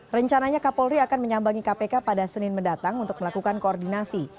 rencananya kapolri akan menyambangi kpk pada senin mendatang untuk melakukan koordinasi